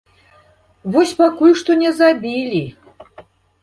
Вось пакуль што не забілі.